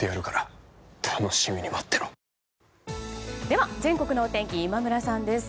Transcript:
では全国のお天気今村さんです。